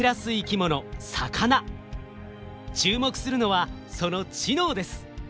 注目するのはその知能です。